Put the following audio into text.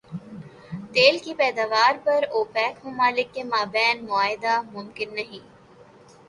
تیل کی پیداوار پر اوپیک ممالک کے مابین معاہدہ ممکن نہیں